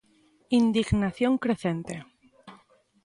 Indignación crecente.